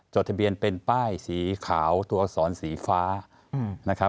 จดทะเบียนเป็นป้ายสีขาวตัวอักษรสีฟ้านะครับ